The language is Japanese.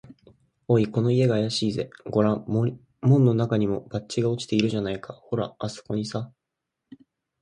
「おい、この家があやしいぜ。ごらん、門のなかにも、バッジが落ちているじゃないか。ほら、あすこにさ」